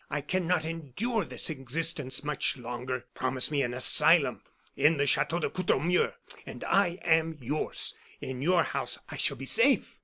I cannot endure this existence much longer. Promise me an asylum in the Chateau de Courtornieu, and I am yours. In your house I shall be safe.